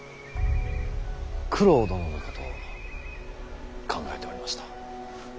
九郎殿のことを考えておりました。